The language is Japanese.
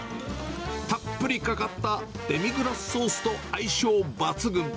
たっぷりかかったデミグラスソースと相性抜群。